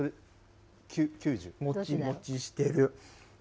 もちもちしてる。